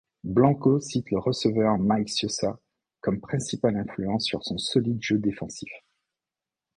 Blanco cite le receveur Mike Scioscia comme principale influence sur son solide jeu défensif.